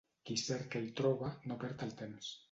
Qui cerca i troba no perd el temps.